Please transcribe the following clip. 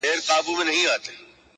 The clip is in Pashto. • اوس هم زما د وجود ټوله پرهرونه وايي؛